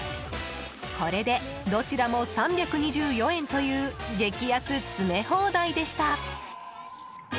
これでどちらも３２４円という激安詰め放題でした。